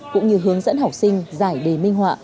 cũng như hướng dẫn học sinh giải đề minh họa